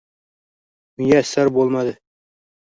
muyassar bo‘lmadi.